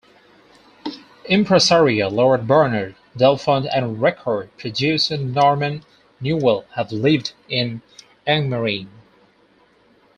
Impresario Lord Bernard Delfont and record producer Norman Newell have lived in Angmering.